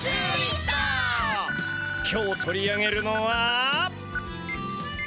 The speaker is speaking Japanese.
今日取り上げるのは。